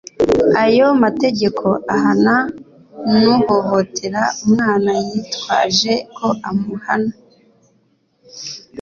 ayo mategeko ahana n'uhohotera umwana yitwaje ko amuhana